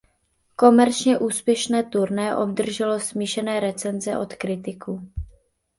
Komerčně úspěšné turné obdrželo smíšené recenze od kritiků.